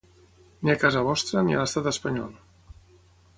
Ni a casa vostra, ni a l'Estat espanyol.